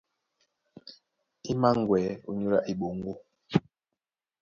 E mǎŋgwɛ̌ ónyólá eɓoŋgó.